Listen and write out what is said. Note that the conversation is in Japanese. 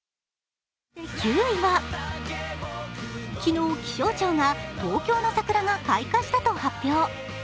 ９位は、昨日、気象庁が東京の桜が開花したと発表。